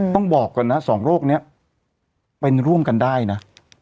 ต้องบอกก่อนนะสองโรคนี้เป็นร่วมกันได้นะ